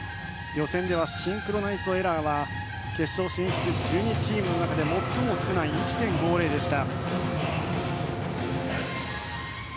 予選ではシンクロナイズドエラーは決勝進出１２チームの中で最も少ない１．５０でした。